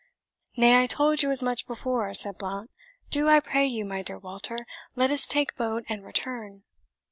"Nay, I told you as much before," said Blount; "do, I pray you, my dear Walter, let us take boat and return."